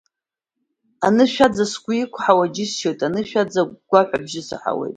Анышәаӡа сгәы иқәҳауа џьысшьоит, анышәаӡа агәгәаҳәа абжьы саҳауеит.